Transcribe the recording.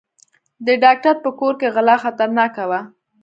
د ډاکټر په کور کې غلا خطرناکه وه.